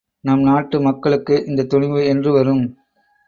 நம் நாட்டு மக்களுக்கு இந்தத் துணிவு என்று வரும்?